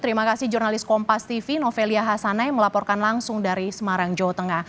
terima kasih jurnalis kompas tv novelia hasanai melaporkan langsung dari semarang jawa tengah